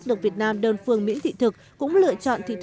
đó là một phương pháp rất rất rất